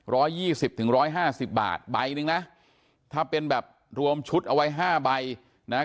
ยี่สิบถึงร้อยห้าสิบบาทใบหนึ่งนะถ้าเป็นแบบรวมชุดเอาไว้ห้าใบนะฮะ